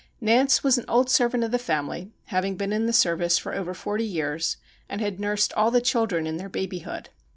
Nance was an old servant of the family, having been in the service for over forty years, and had nursed all the chil dren in their babyhood.